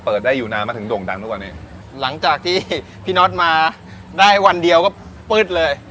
เปิดได้อยู่นานมาถึงโด่งดังทุกวันนี้หลังจากที่พี่น็อตมาได้วันเดียวก็ปื๊ดเลย